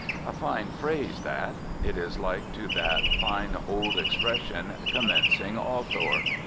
A fine phrase, that; it is like to that fine old expression "commencing author."